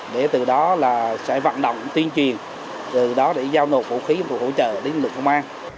để từ đó là sẽ vận động tiên truyền từ đó để giao nộp vũ khí công cụ hỗ trợ đến lực công an